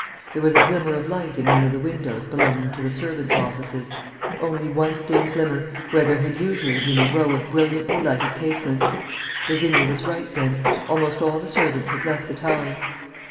There was a glimmer of light in one of the windows belonging to the servants' offices, only one dim glimmer, where there had usually been a row of brilliantly lighted casements. Lavinia was right, then; almost all the servants had left the Towers.